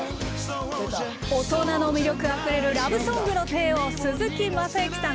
大人の魅力あふれるラブソングの帝王鈴木雅之さん。